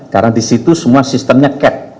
karena di situ semua sistemnya cat